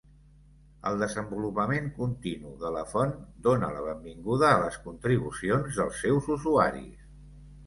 El desenvolupament continu de la font dóna la benvinguda a les contribucions dels seus usuaris.